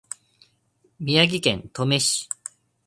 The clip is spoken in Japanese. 宮城県登米市